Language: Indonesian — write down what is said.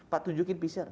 pak tunjukin pcr